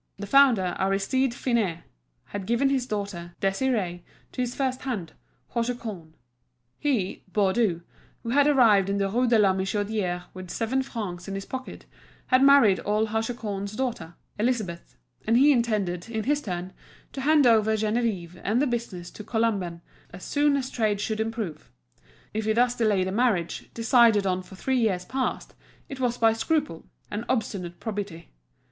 The founder, Aristide Finet, had given his daughter, Désirée to his firsthand, Hauchecorne; he, Baudu, who had arrived in the Rue de la Michodière with seven francs in his pocket, had married old Hauchecorne's daughter, Elizabeth; and he intended, in his turn, to hand over Geneviève and the business to Colomban as soon as trade should improve. If he thus delayed a marriage, decided on for three years past, it was by scruple, an obstinate probity.